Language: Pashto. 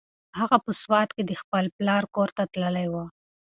هغه په سوات کې د خپل پلار کور ته تللې وه.